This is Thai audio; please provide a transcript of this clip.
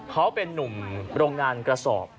เขาเป็นนุ่มโรงงานกระสอบ